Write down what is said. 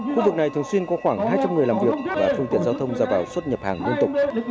khu vực này thường xuyên có khoảng hai trăm linh người làm việc và phương tiện giao thông ra vào xuất nhập hàng liên tục